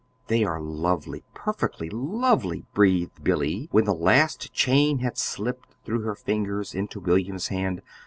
"They are lovely, perfectly lovely!" breathed Billy, when the last chain had slipped through her fingers into William's hand.